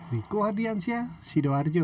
riku hadiansyah sidoarjo